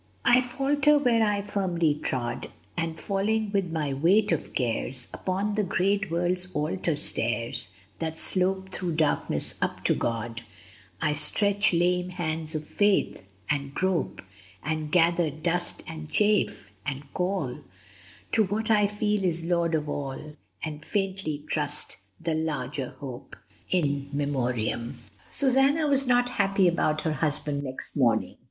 I falter where I firmly trod, And falling with my weight of cares Upon the great world's altar stairs, That slope thro' darkness up to God, I stretch lame hands of faith, and grope And gather dust and chaff, and call To what I feel is Lord of all, And faintly trust the larger hope. In Memoriam. Susanna was not happy about her husband next morning.